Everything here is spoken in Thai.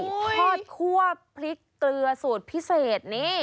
ทอดคั่วพริกเกลือสูตรพิเศษนี่